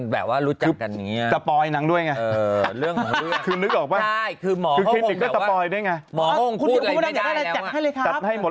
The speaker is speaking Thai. แต่พี่ไม่ดื้อกับหมอ